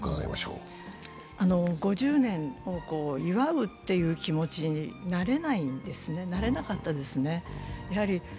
５０年を祝うという気持ちになれないんですね、なれなかったですね。